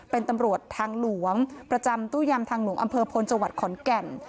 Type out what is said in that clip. เป็นตำรวจทางหลวงประจำตู้ยามทางหลวงอำเภอพลจังหวัดขอนแก่น